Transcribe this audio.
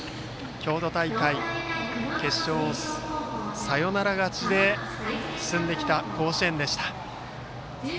京都大会決勝サヨナラ勝ちで進んできた甲子園でした。